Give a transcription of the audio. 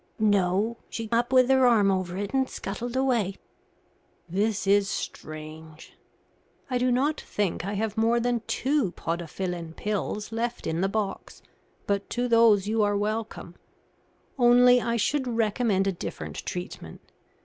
"No; she up with her arm over it and scuttled away." "This is strange. I do not think I have more than two podophyllin pills left in the box, but to those you are welcome. Only I should recommend a different treatment.